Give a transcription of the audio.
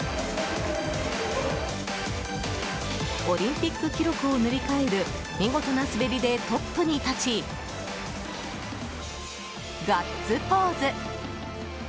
オリンピック記録を塗り替える見事な滑りでトップに立ちガッツポーズ！